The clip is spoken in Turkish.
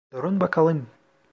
Durun bakalım!